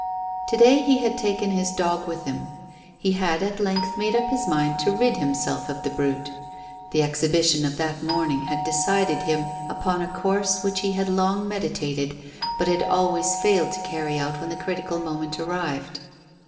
To day he had taken his dog with him. He had at length made up his mind to rid himself of the brute. The exhibition of that morning had decided him upon a course which he had long meditated, but had always failed to carry out when the critical moment arrived.